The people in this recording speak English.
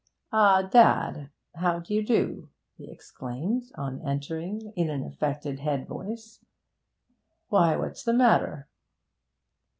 'Ah, dad, how do you do!' he exclaimed, on entering, in an affected head voice. 'Why, what's the matter?'